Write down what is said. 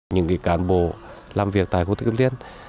những vị cán bộ làm việc tại khu thuyết minh